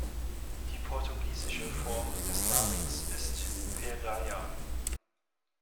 Die portugiesische Form des Namens ist Pereira.